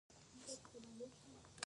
دوی له چین څخه راغلي وو